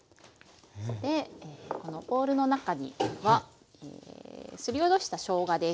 このボウルの中にはすりおろしたしょうがです。